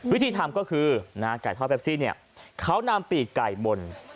วิธีทำก็คือไก่ทอดแปปซี่เขานำปีกไก่บน